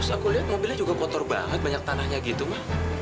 terus aku lihat mobilnya juga kotor banget banyak tanahnya gitu mah